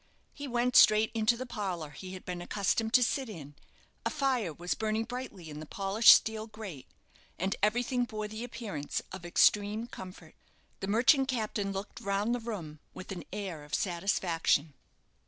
He went straight into the parlour he had been accustomed to sit in. A fire was burning brightly in the polished steel grate, and everything bore the appearance of extreme comfort. The merchant captain looked round the room with an air of satisfaction.